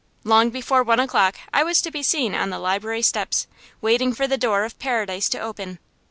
Long before one o'clock I was to be seen on the library steps, waiting for the door of paradise to open.